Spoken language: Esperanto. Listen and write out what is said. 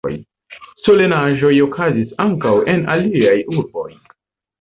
Solenaĵoj okazis ankaŭ en aliaj urboj.